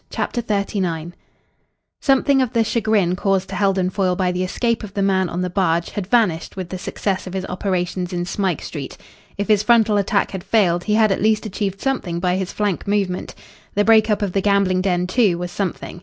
CHAPTER XXXIX Something of the chagrin caused to Heldon Foyle by the escape of the man on the barge had vanished with the success of his operations in Smike Street. If his frontal attack had failed, he had at least achieved something by his flank movement. The break up of the gambling den, too, was something.